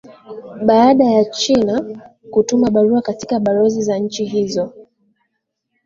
baada ya china kutuma barua katika balozi za nchi hizo